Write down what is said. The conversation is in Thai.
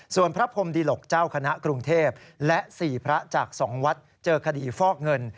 ส่วนพระพรมดิหลกเจ้าคณะกรุงเทพและ๔พระจาก๒วัดเจอคดีฟอกเงิน